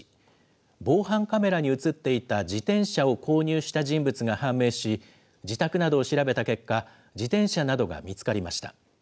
防犯カメラに写っていた自転車を購入した人物が判明し、自宅などを調べた結果、自転車などが見つかりました。